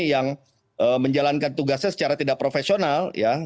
yang menjalankan tugasnya secara tidak profesional